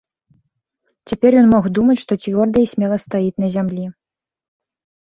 Цяпер ён мог думаць, што цвёрда і смела стаіць на зямлі.